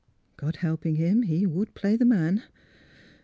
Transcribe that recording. God helping him, he would play the man.